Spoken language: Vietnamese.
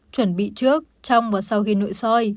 chuẩn bị trước trong và sau khi nội soi